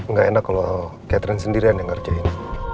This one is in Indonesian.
nggak enak kalau catherine sendirian yang ngerjain